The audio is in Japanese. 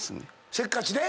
せっかちで？